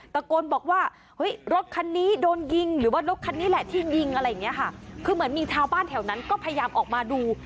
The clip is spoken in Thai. ตะโกนบอกว่ารถคันนี้โดนยิงหรือว่ารถคันนี้แหละที่ยิงคือเหมือนมีทางบ้านแถวนั้นก็พยายามออกมาดู